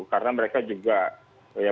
karena mereka juga